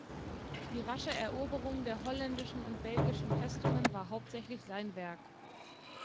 Die rasche Eroberung der holländischen und belgischen Festungen war hauptsächlich sein Werk.